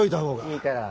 いいから。